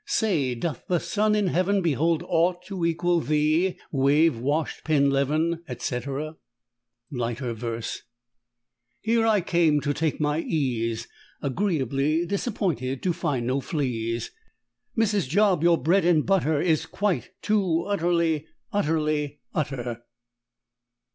Say, doth the sun in heaven Behold aught to equal thee, wave washed Penleven?_ etc. Lighter verse: _Here I came to take my ease, Agreeably disappointed to find no fl Mrs. Job, your bread and butter Is quite too utterly, utterly utter!